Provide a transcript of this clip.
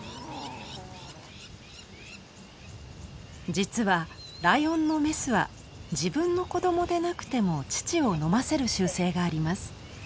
実はライオンのメスは自分の子供でなくても乳を飲ませる習性があります。